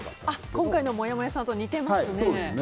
今回のもやもやさんと似ていますね。